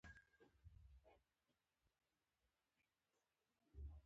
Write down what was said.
د ماشوم د ټوخي لپاره د څه شي اوبه وکاروم؟